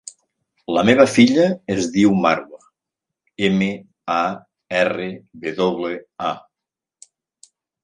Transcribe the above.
La meva filla es diu Marwa: ema, a, erra, ve doble, a.